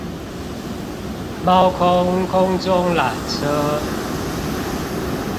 貓空空中纜車